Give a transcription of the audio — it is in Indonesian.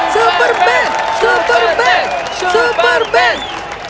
super band super bank super band